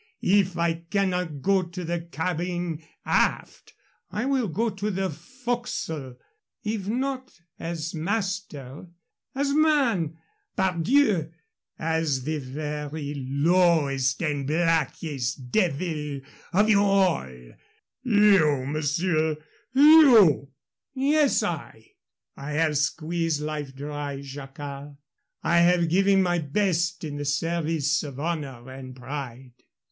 If I cannot go in the cabin, aft, I will go in the forecastle; if not as master, as man. Pardieu, as the very lowest and blackest devil of you all " "You, monsieur you!" "Yes, I. I have squeezed life dry, Jacquard. I have given my best in the service of honor and pride.